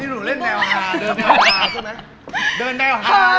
นี่หนูเล่นแดวฮาเดินแดวฮาใช่มั้ย